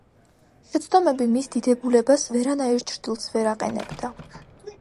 შეცდომები მის დიდებულებას ვერანაირ ჩრდილს ვერ აყენებდა.